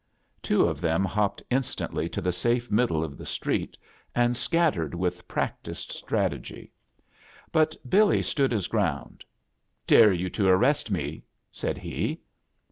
Two of them hopped instantly to the safe middle of the street, and scattered vith practised strategy; bat Billy stood his ground. "Dare you to arrest me!" said he.